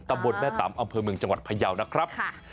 ตำบลแม่ตำอำเภอเมืองจังหวัดพยาวนะครับ